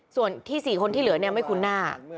ส่วนที่๔คนที่เหลือไม่คุ้นหน้า